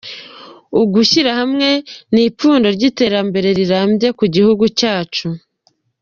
Ugushyira hamwe ni ipfundo ry’ iterambere rirambye ku gihugu cyacu.